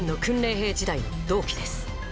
兵時代の同期です